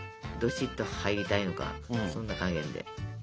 どしっと入りたいのかそんな加減で。